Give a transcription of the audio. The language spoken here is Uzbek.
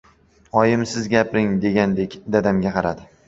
Oyim «siz gapiring», degandek dadamga qaradi.